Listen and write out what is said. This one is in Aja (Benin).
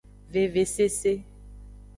Vevesese.